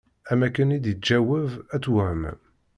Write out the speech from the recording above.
Am akken i d-iğaweb ad twehmem.